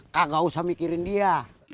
kagak usah mikirin dia